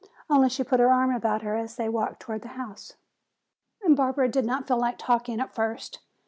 Only she put her arm about her as they walked toward the house. Barbara did not feel like talking at first.